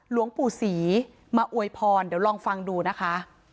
หลวงปู่ศรีมาอวยพรเดี๋ยวลองฟังดูนะคะ